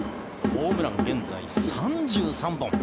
ホームラン、現在３３本。